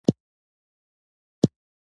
دې کار یې سیاسي واک له خطر سره مخ کاوه.